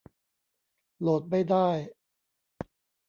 โหลดไม่ได้